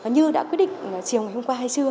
như đã quyết định chiều ngày hôm qua hay chưa